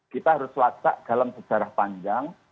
kita harus wacak dalam sejarah panjang